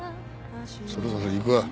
そろそろ行くわ。